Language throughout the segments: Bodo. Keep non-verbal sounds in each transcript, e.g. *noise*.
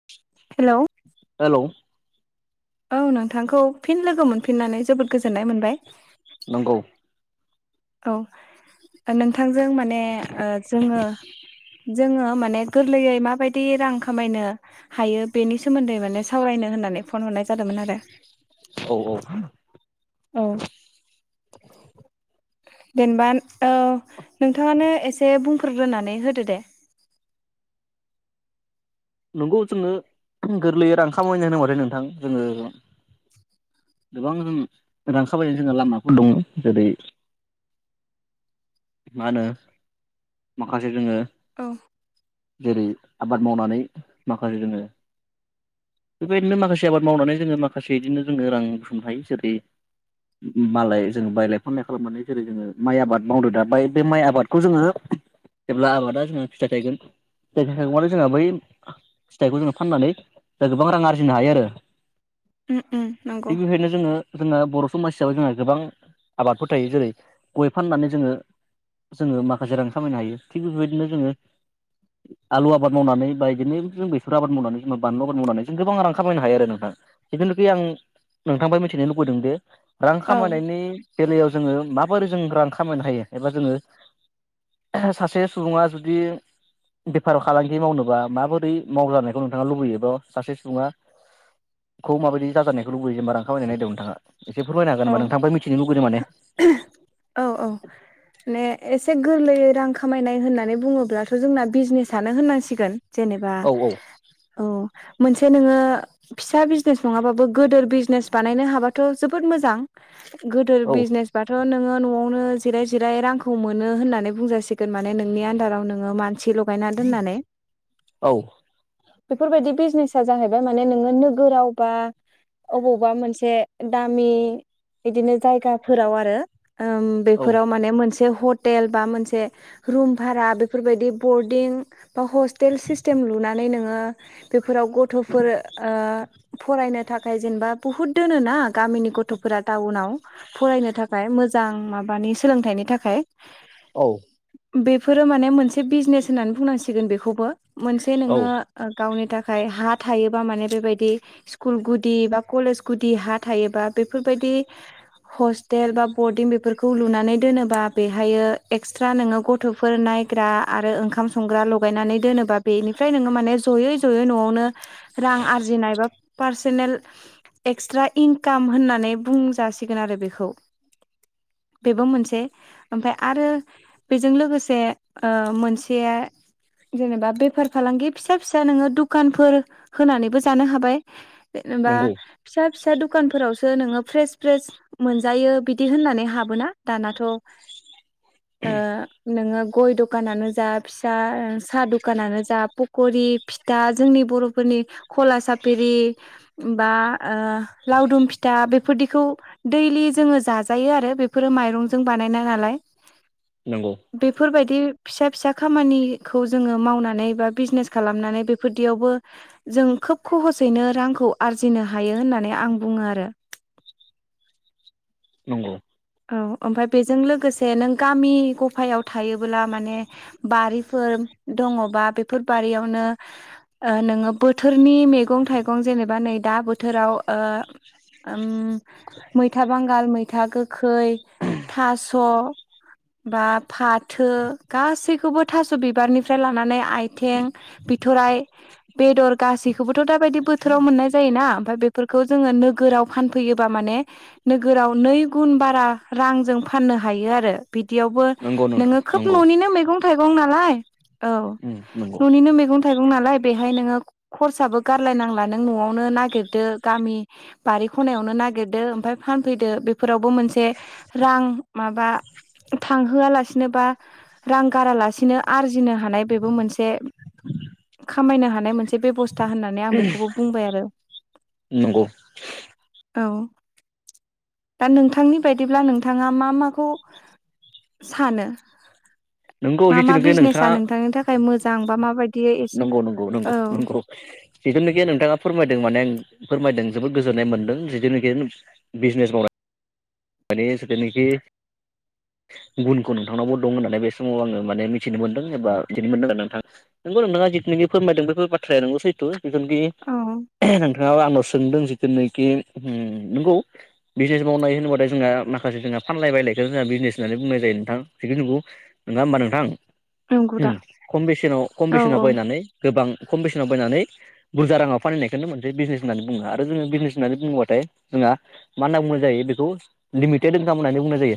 *inaudible* हेलौ हेलौ औ नोंथांखौ फिन लोगो मोनफिननानै जोबोद गोजोननाय मोनबाय नंगौ औ नोंथांजों माने ओ जोङो जोङो माने गोरलैयै माबायदि रां खामायनो हायो बेनि सोमोन्दै माने सावरायनो होननानै फन हरनाय जादोंमोन आरो औ औ औ जेनेबा औ नोंथाङानो एसे बुंफोर्रोग्रोनानै होदो दे नोंगौ जोंनो गोरलैयै रां खामायनो होनो म आरोै नोंथां जोङो गोबां जों रांखाबायनाय जोंहा लामाफोर दङ जेरै मा होनो माखासे जोङो औ जेरै आबाद मावनानै माखासे जोङो बेबायदिनो माखासे आबाद मावनानै जोङो माखासे बिदिनो जोङो रां सुंनो हायो जेरै मालाय जोङो बायलाय फानलाय खालामनानै जेरै जोङो माइ आबाद मावनो दा बे माइ आबादखौ जोङो जेब्ला आबादा जोंहा फिथाइ थायगोन फिथाइ थायबाथाय जोंहा बै फिथाइखौ जोङो फाननानै द गोबां रां आरजिनो हायो आरो उम उम नंगौ थिग बेबादिनो जोङो जोंहा बर' समाज हिसाबै जोंहा गोबां आबादफोर थायो जेरै गय फाननानै जोङो जोङो माखासे रां खामायनो हायो थिग बेफोरबायदिनो जोङो आलु आबाद मावनानै बाय बिदिनो जों बेसर आबाद मावनानै जबा बानलु आबाद मावनानै जों गोबां रां खामायनो हायो नोंथां ज जितुनोखि आं नोंथांनिफ्राय मिथिनो लुबैदों दि रां औ खामायनायनि बेलायाव जोङो माबोरै जों रां खामायनो हायो एबा जोङो सासे सुबुङा जुदि बेफार फालांगि मावनोबा माबोरै मावजानायखौ नोंथाङा लुबैयोब' सासे सुबुङा खौ माबायदि जाजानायनायखौ लुबैयो जेनेबा खामायनायनि आयदायाव नोंथाङा एसे फोरमायनो हागोन औ होनामा नोंथांफ्राय मिथिनो लुगैदों माने औ औ माने एसे गोरलैयै रां खामायनाय होननानै बुङोब्लाथ' जोंना बिजनेसानो होननांसिगोन जेनेबा औ औ औ मोनसे नोङो फिसा बिजनेस नङाबाबो गोदोर बिजनेस बानायनो हाबाथ' जोबोद मोजां मोजां गोदोर औ बिजनेस बाथ' नोङो न'आवनो जिराय जिराय रांखौ मोनो होननानै बुंजासिगोन माने नोंनि आन्दाराव नोङो मानसि ल' गायना दोननानै औ बेफोरबायदि बिजनेसा जाहैबाय माने नोङो नोगोरावबा अबावबा मोनसे दामि बिदिनो जायगाफोराव आरो ओम औ बेफोराव मान मोनसे हत टेल बा मोनसे रुम भारा बेफोरबायदि बरडिं बा हस्टेल सिस्टेम लुनानै नोङो बेफोराव गथ'फोर ओ फरायनो थाखाय खाय जेनबा बुहुत दोन ना गामिनि गथ' फोरा टाउनाव फरायनो थाखाय मोजां माबानि सोलोंथाइनि थाखाय औ बेफोरो माने मोनसे बिजनेस होननानै बुंनांसिगोन बेखौबो मोनसे औ नोङो गावनि थाखाय हा थायोबा माने बेबायदि स्कुल गुदि बा कलेज गुदि हा थायोबा बेफोरबायदि हस्टेल बा बरडिं बेफोरखौ लुनानै दोनोबा बेहायो एक्सट्रा नोङो गथ' गथ'फोर नायग्रा आरो ओंखाम संग्रा लगायनानै दोनोबा बेनिफ्राय नोङो माने ज'यै ज'यै न'आवनो रां आरजिनाय बा पारस एक्सट्रा इनकाम होननानै नै बुंज जासिगोन आरो बेखौ बेबो मोनसे ओमफ्राय आरो बेजों लोगोसे ओ मोनसे जेनेबा बेफार फालांगि फिसा फिसा नोङो दुखानफोर होनानैबो जानो हाबाय जेनेबा नंगौ फिसा फिसा दखानफोरावसो सो नोङो फ्रेस फ्रेस मोनजायो बिदि होननानै हाबोना दानाथ' ओ नोङो गय दखानानो जा फिसा साहा दखानानो जा पक'रि फिथा जोंनि बर'फोरनि खला साफेरि बा ओ लावदुम फि दा बेफोरदिखौ दैलि जोङो जाजायो आरो बेफोरो माइरंजों बानायनाय नालाय *inaudible* नंगौ बेफोरबायदि फिसा फिसा खामानिखौ जोङो मावनानै बा बिजनेस खालामनानै बेफोरदियावबो जों खोब खहसैनो रांखौ आरजिनो हायो होननानै आं बुङो आरो नंगौ औ ओमफ्राय बेजों लोगोसे नों गामि गफायाव थायोब्ला माने बारिफोर दङबा बेफोर बारियावनो ओ नोङो बोथोरनि मैगं थाइगं जेनेबा नै दा बोथोराव ओ ओं मैथा बांगाल मैथा गोखै थास' बा फाथो गासैखौबो थास' बिबारनिफ्राय लानानै आथिं बिथराय बेदर गासैखौबोथ' दाबायदि बोथोराव मोननाय जायोना ओमफ्राय बेफोरखौ जोङो नोगोराव फानफैयोबा माने नोगोराव नै गुन बारा रांजों फाननो हायो आरो बिदियावबो नंगौ नोंथां नोङो खोब नंगौ न'निनो मैगं थाइगं नालाय औ उम नंगौ न'निनो मैगं थाइगं नालाय बेहाय नोङो खरसाबो गारलाय नांला नों न'आवनो नागिरदो गामि बारि खनायावनो नागिरदो ओमफ्राय फानफैदो बे फोरावबो मोनसे रां माबा थांहोआलासि नो बा रां गारालासिनो आरजिनो हानाय बेबो मोनसे खामायनो हानाय मोनसे बेब'स्था होननानै आं बेखौबो बुंबाय आरो नंगौ औ दा नोंथांनि बायदिब्ला नोंथाङा मा माखौ सानो नंगौ मा मा जिथुनोखि नोंथाङा बिजनेसा नोंथांनि थाखाय मोजां बा माबायदि एसे औ जिथुनाखि नोंथाङा फोरमायदों माने आं फोरमायदों जोबोद गोजोननाय मोन्दों जिथुनाखि बिजनेस मावनाय मानि जेब्लानाखि गुनखौ नोंथांनावबो दं होननानै बे समाव आङो माने मिथिनो मोनदों एबा दिनो मोनदों आरो नोंथां नंगौ नोंथाङा जिथुनाखि फोरमायदों बेफोर बाथ्राया नंगौ सैथु जिथुनाखि औ नोंथाङा आंनाव सोंदों जेनाखि हम नोंगौ बिजनेस मावनाय होनोबाथाय जोंहा माखासे जोंहा फानलाय बायलायखौ जोंहा बिजनेस होननानै बुंनाय जायो नोंथां जिखि नुगौ नङा होमबा नोंथां नंगौ दा उम कम बेसेनाव कम औ बेसेनाव औ बायनानै गोबां कम बेसेनाव बायनानै बुरजा राङाव फानहैनायखौनो मोनसे बिजनेस होननानै बुङो आरो जोङो बिजनेस होननानै बुङोबाथाय जोंहा मा होनना बुंनाय जायो बेखौ लिमिटेड इनकाम होननानै बुंनाय जायो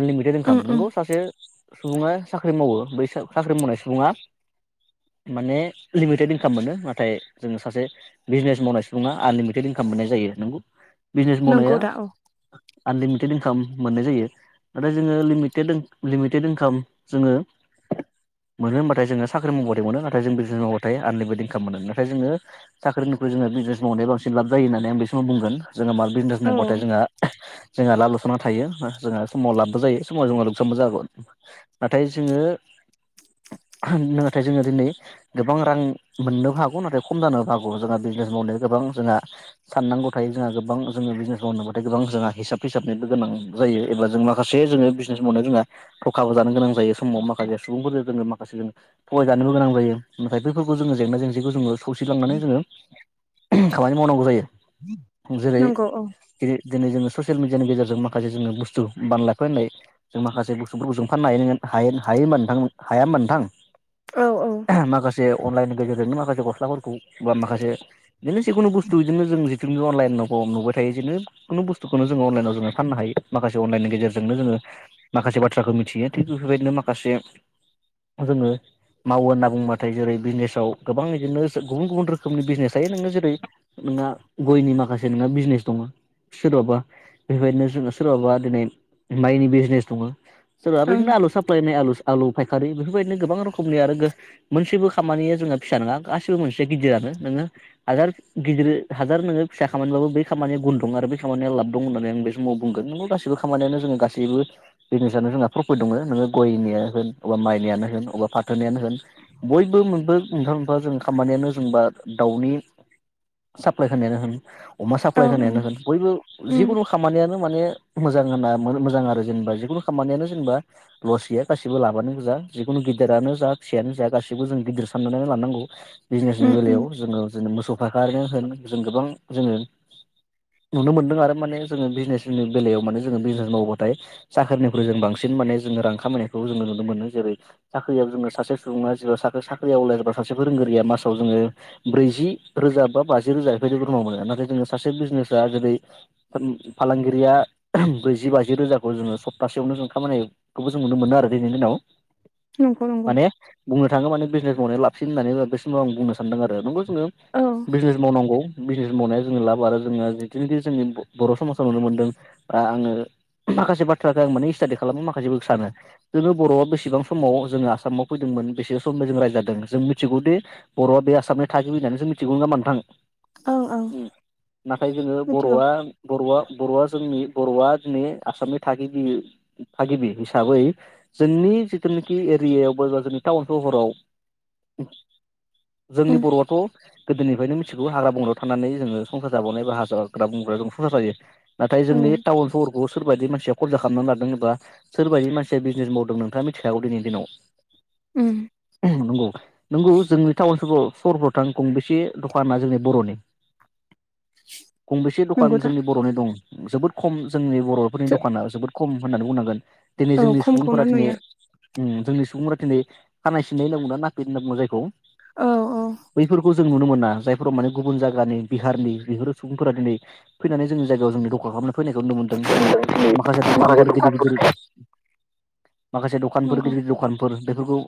आनलिमिटेड उम इनकाम उम नंगौ सासे सुबुङा साख्रि मावो बै साख्रि मावनाय सुबुङा माने लिमिटेड इनकाम मोनो नाथाय जोङो सासे बिजनेस मावनाय सुबुङा आनलिमिटेड इनकाम मोननाय जायो नंगौ बिजनेस नंगौ मावनाया दा औ आनलिमिटेड इनकाम मोननाय जायो नाथाय जोङो लिमिटेड लिमिटेड इनकाम जोङो मोनो होनबाथाय जोङो साख्रि मावबाथाय मोनो नाथाय जों बिजनेस मावबाथाय आनलिमिट इनकाम मोनो नाथाय जोङो साख्रिनिख्रुइ जोंहा बिजनेस मावनाया बांसिन लाब जायो होननानै आं बे समाव बुंगोन जोङो मा बिजनेस औ मावबाथाय जोंहा जोंहा लाब लस'ना थायो जोङो समाव लाबबो जायो समाव जोङो लुखसाबबो जागोन नाथाय जोङो नाथाय जोङो दिनै गोबां रां मोननोबो हागौ नाथाय खम जानोबो हागौ जोंहा बिजनेस मावनायावा गोबां जोंहा साननांगौ थायो जोंहा गोबां जोङो बिजनेस मावनोबा गोबां जोंहा हिसाब फिसाबनो गोनां जायो एबा जों माखासे जोङो बिजनेस मावनाय जोंहा थखाबो जानो गोनां जायो समाव माखासे सुबुंफोरजों जोङो माखासे जों थगायजानोबो गोनां जायो नाथाय बेफोरखौ जोङो जेंना जेंसिखौ जोङो सौसिलांनानै जोङो उहम खामानि मावनांगौ जायो जेरै नंगौ औ दि दिनै जोङो ससियेल मिडियानि गेजेरजों माखासे जोङो बुस्थु बानलाय फानलायो जों माखासे बुसुफोरखौ जों फाननो हायो हायो हायो होमबा नोथां हाया होमबा नोंथां औ औ ओं माखासे अनलाइननि गेजेरजोंनो माखासे गस्लाफोरखौ बा माखासे बिदिनो जिखुनु बुस्थु बिदिनो जों जिथुनि अनलाइन नुबाय थायो बिदिनो खुनु बुस्थुखौनो जोङो अनलाइनाव जोङो फाननो हायो माखासे अनलाइननि गेजेरजोंनो जोङो माखासे बाथ्राखो मिथियो थिग बेफोरबायदिनो माखासे जोङो मावो होनना बुङबाथाय जेरै बिजनेसाव गोबां बिदिनो गुबुन गुबुन रोखोमनि बिजनेस थायो नोङो जेरै नोंना गयनि माखासे नोंहा बिजनेस दङ सोरबाबा बेबायदिनो जोङो सोरबाबा दिनै माइनि बिजनेस दङ सोरबा बिदिनो आलु साप्लाय होननाय आलु आलु फायखारि बेफोरबायदिनो गोबां रोखोमनि आरो मोनसेबो खामानिया जोंहा फिसा नङा गासैबो मोनसेया गिदिरानो नोङो हाजार गिदिर हाजार नोङो फिसा खामानिबाबो बै खामानिया गुुन दं आरो बै खामानियाव लाब दं होननानै आं बे समाव बुंगोन नंगौ गासैबो खामानियानो जोङो गासैबो बिजनेसनो जोंहा प्रफिट दङो नोङो गयनिया होन अबा माइनियानो होन अबा फाथोनियानो होन बयबो मोनबो मोनफा मोनफा जों खामानियानो जोंबा दाउनि साप्लाय होनायानो होन अमा औ साप्लााय होनायानो ओं होन बयबो उम जिखुनु खामानियानो माने मोजां होनना मोजां आरो जेनेबा जिखुनु खामानियानो जेनेबा लस गैया गासिबो लाबानो गोजा जिखुनु गिदिरानो जा फिसायानो जा गाैबो जों गिदिर साननानै लानांगौ उम बिजनेसनि उम बेलायाव जोङो जोंनो मोसौ फायखारि ओनो होन जों गोबां जोङो नुनो मोनदों आरो माने जोङो बिजनेसनि बेलायाव माने जोङो बिजनेस मावोबाथाय साख्रिनिफ्राय जों बांसिन माने जोङो रां खामायनायखौ जोङो नुनो मोनो जेरै साख्रियाव जोङो सासे सुबुङा जे साख्रियाव आवलाया सासे फोरोंगिरिया मासाव जोङो ब्रैजि रोजा बा बाजि रोजा बेफोरबायदि बोरमा मोनो नाथाय जोङो सासे बिजनेसा जेरै फालांगिरिया उम ब्रैजि बाजि रोजाखौ जोङो सप्तासेयावनो जों खामानि खौबो जों नुनो मोनो आरो दिनैनि दिनाव नंगौ नंगौ माने बुंनो थाङो माने बिजनेस मावनानै लाबसिन होननानै बे समाव आं बुंनो सानदों आरो नंगौ जोङो औ बिजनेस मावनांगौ बिजनेस मावनाया जोंनि लाब आरो जोङो बिदिनो जोंनि बर' समाजाव नुनो मोनदों बा आङो माखासे बाथ्राखो आं माने स्टाडि खालामो माखासेबो सानो जोङो बर'आ बेसेबां समाव जोङो आसामाव फैदोंमोन बेसेबां समनो जों रायजादों जों मिथिगौ दि बर'आ बे आसामनि थागिबि होननानै जों मिथिगौ नामा नोंथां औ औ नाथाय जोङो मिथिगौ दा बर' बर'आ जोंनि बर'आ दिनै आसामनि थागिबि थागिबि हिसाबै जोंनि जिथुनाखि एरियायाव बबेबा जोंनि टाउन सहराव उम जोंनि उम बर'आथ' गोदोनिफ्रायनो मिथिगौ हाग्रा बंगायाव थानानै जोङो संसार जाबावनाय बा हाग्रा हाग्रा बंग्रा जों संसार जायो नाथाय औ जोंनि टाउन सहरखौ सोरबायदि मानसिया खरजा खालामनानै लादों एबा सोरबदि मानसिया बिजनेस मावदों नोंथाङा मिथिखागौ दिनैनि दिनाव उम नंगौ नंगौ जोंनि टाउन साव सरफ्राव थां गंबेसे दखाना जोंनि बर'नि गंबेसे नंगौ दखान जोंनि दा बर'नि दं जोबोद खम जोंनि बर'फोरनि दखाना जोबोद खम खम होननानै बुंनांगोन दिनै औ जोंनि खमखौनो सुबुंफोरा दिनै नुयो उम जोंनि सुबुंफोरा दिनै खानाय सिननाय होनना बुंङोना नाफिद होनना बुङो जायखौ औ औ बैफोरखौ जों नुनो मोना जायफोराव माने गुबुन जायगानि बिहारनि बिफोर सुबुंफोरा दिनै फैनानै जोंनि जायगायाव जोंनि दख'ल खालामनो फैनायखौ नुनो मोनदों दिनै माखासे दखानफोर गिदिर गिदिर माखासे दखानफोर नंगौ गिदिर गिदिर दखानफोर बेफोरखौ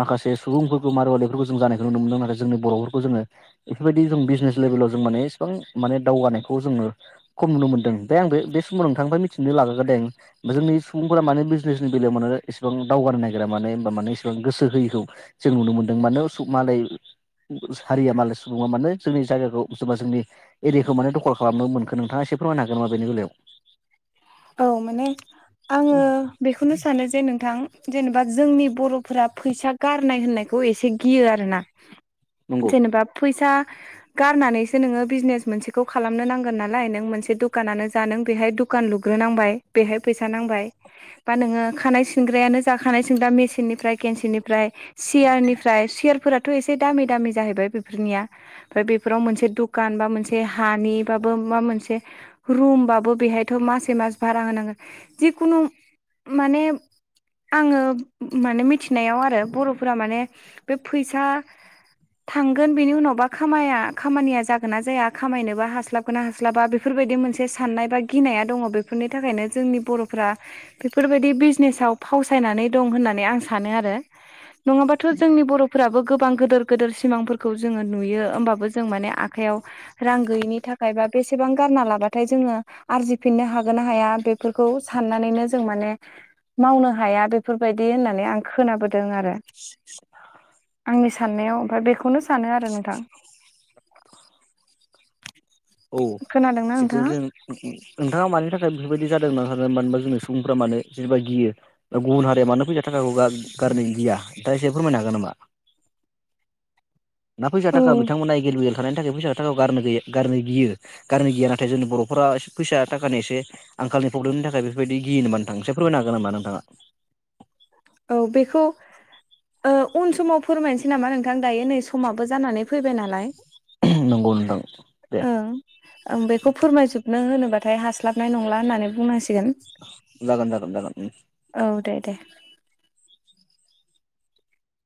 माखासे सुबुंफोरखौ मार'वारिफोरखौ जों जानायखौ नुनो मोनदों नाथाय जोंनि बर'फोरखौ जोङो बेफोरबायदि जों बिजनेस लेभेलाव जों माने इसेबां माने दावगानायखौ जोङो खम नुनो मोनदों ओमफ्रायआं बे समाव नोंथांनिफ्राय मिथिनो लाग्रोदों जोंनि सुबुंफोरा मानो बिजनेसनि बेलायाव मानो इसेबां दावगानो नागिरा माने होनोमबा माने इसेबां गोसो होयैखौ जों नुनो मोन्दों मानो असुख मालाय हारिया मालाय सुबङा मानोे जोंनि जायगाखौ सोरबा जोंनि एरियाखौ माने दखल खालामनो मोनखो नोंथाङा एसे फोरमायनो हागोन नामा बेनि बेलायाव औ माने आङो बेखौनो सानो जे नोंथां जेनेबा जोंनि बर'फोरा फैसा गारनाय होननायखौ एसे गियो आर ना नंगौ जेनेबा फैसा गारनानैसो नोङो बिजनेस मोनसेखौ खालामनो नांगोन नालाय नों मोनसे दखानानो जा नों बेहाय दुखान लुग गोनांबाय बेहाय फैसा नांबाय बा नोङो खानाय सिंग्रायानो जा खानाय सिनग्रा मेसिननिफ्राय केन्सिनिफ्राय सियारनिफ्राय सियारफोराथ' एसे दामि दामि जाहैबाय बेफोरनिया। ओमफ्राय बेफोराव मोनसे दुखान बा मोनसे हानि बाबो माबा मोनसे रुमबाबो बेहायथ' मासे मास भारा होनांगोन जिखुनु माने आङो माने मिथिनायाव आरो बर'फोरा माने बे फैसा थांगोन बेनि उनावबा खामाया-खामानिया जागोन ना जाया खामायनोबा हास्लाब गोना हास्लाबा बेफोरबायदि मोनसे साननाय बा गिनाया दङ बेफोरनि थाखायनो जोंनि बर'फ्रा बेफोरबायदि बिजनेसाव फावसायनानै दं होननानै आं सानो आरो। नङाबाथ' जोंनि बर'फोराबो गोबां गोदोर गोदोर सिमांफोरखौ जोङो नुयो। होमबाबो जों माने आखायाव रां गैयिनि थाखाय बा बेसेबां गारना लाबाथाय जोङो आरजिफिननो हाग गोना हाया बेफोरखौ साननानैनो जों माने मावनो हाया बेफोरबायदि होननानै आं खोनाबोदों आरो। *unintelligible* आंनि साननायाव ओमफ्राय बेखौनो सान औ खोनादोंना नोंथाङा? जों नोंथाङा मानि थाखाय बेफोरबायदि जादों न स मानो होनबा जोंनि सुबुंफफोरा मानो जेनेबा गियो गुबुन हारिया मानो फैसा थाखाखौ गार-गारदै ना फैसा औ थाखा बिथांमोना एगेलबिगेल थानायनि थाखायबो गारनो गैया नाथाय जोंनि बर'फोरा एसे फैसा थाखा आंखालनि प्रब्लेनि थाखाय बेबायदि गियो नामा नोंथां? ऐसे फोरायनो हागोननामा नोंथाङा? औ बेखौ *unintelligible* नंगौ नोंथां। दे ओ आं बेखौ फोरमायजोबनो होनोबाथाय हास्लाबनाय नंला होननानै बुंनांसि जागोन। जागोन। जागोन। औ दे दे।